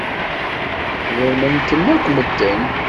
Sḍelmen-kem akk medden.